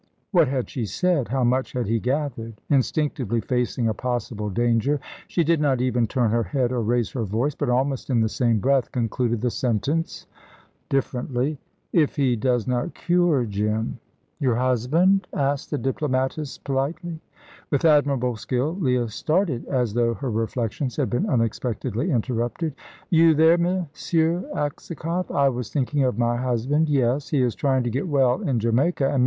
What had she said? How much had he gathered? Instinctively facing a possible danger, she did not even turn her head or raise her voice, but, almost in the same breath, concluded the sentence differently: " if he does not cure Jim." "Your husband?" asked the diplomatist, politely. With admirable skill Leah started, as though her reflections had been unexpectedly interrupted. "You there, M. Aksakoff? I was thinking of my husband yes. He is trying to get well in Jamaica, and M.